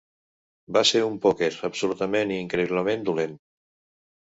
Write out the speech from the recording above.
Va ser un pòquer absolutament i increïblement dolent.